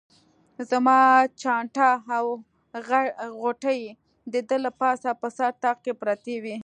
زما چانټه او غوټې د ده له پاسه په سر طاق کې پرتې وې.